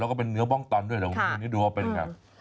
ก็เป็นเนื้อบ้องตันด้วยแต่ดูว่าเป็นยังไง